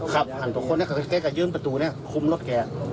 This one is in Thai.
ครับหั่นตัวเคลื่อนกับประตูคุมรถแก